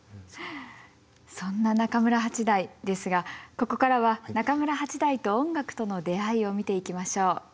そんな中村八大ですがここからは中村八大と音楽との出会いを見ていきましょう。